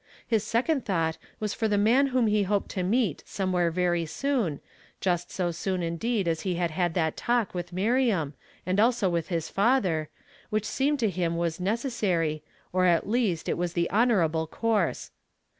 His second thought was for the man whom he hoped to meet somewhere very soon, just so soon indeed as he had iiad that talk with Mir iam, and also with his father, whicli seemed to him was necessar}^ or, at least, it was the honorable course.